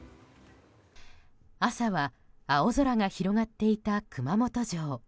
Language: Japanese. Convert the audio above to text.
朝は、青空が広がっていた熊本城。